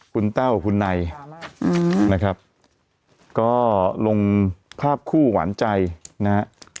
คุณเต้าคุณไนนะครับก็ลงภาพคู่หวานใจนะ